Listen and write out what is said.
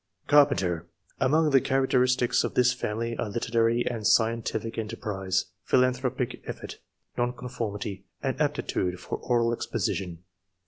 Carpenter. — Amoug the characteristics of this family are literary and scientific enterprise, philanthropic effort, nonconformity, and aptitude for oral exposition.